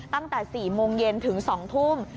ตั้งแต่๔โมงเย็นถึง๒ทุ่ม